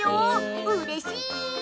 うれしい。